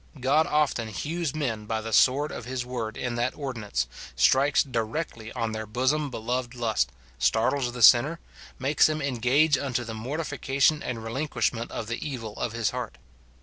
God often hews men by the sword of his word in that ordinance, strikes directly on their bosom beloved lust, startles the sinner, makes him engage unto the mortification and relinquish ment of the evil of his heart.